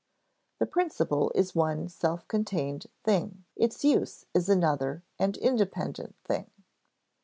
The principle is one self contained thing; its use is another and independent thing.